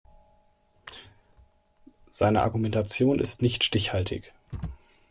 Seine Argumentation ist nicht stichhaltig.